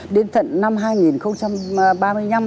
đến thận năm hai nghìn ba mươi năm